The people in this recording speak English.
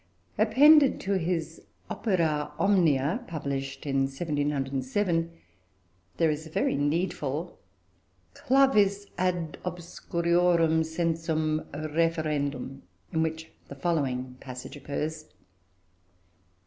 Appended to his "Opera Omnia," published in 1707, there is a very needful "Clavis ad obscuriorum sensum referendum," in which the following passage occurs.